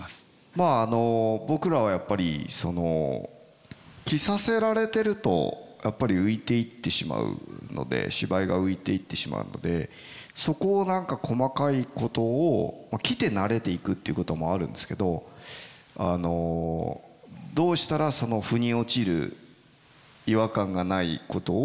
まあ僕らはやっぱり着させられてるとやっぱり浮いていってしまうので芝居が浮いていってしまうのでそこを何か細かいことを着て慣れていくっていうこともあるんですけどどうしたらふに落ちる違和感がないことをできるかってことを一緒に考えてくださる。